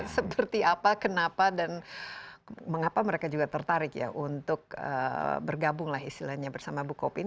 seperti apa kenapa dan mengapa mereka juga tertarik ya untuk bergabung lah istilahnya bersama bu kopin